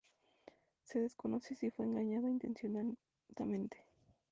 Se desconoce si fue engañada intencionadamente.